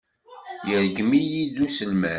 Yergem-iyi-d uselmad.